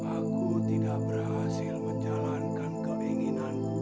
aku tidak berhasil menjalankan keinginanku